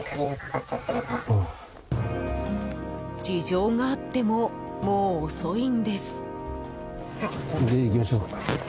事情があってももう遅いんです。